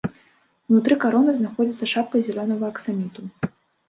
Унутры кароны знаходзіцца шапка з зялёнага аксаміту.